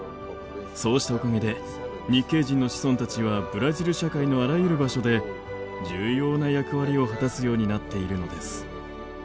そうしたおかげで日系人の子孫たちはブラジル社会のあらゆる場所で重要な役割を果たすようになっているのです。